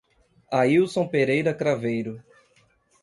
Ailson Pereira Craveiro